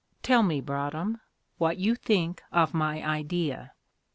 Tell me, Broadhem, what you think of my idea?"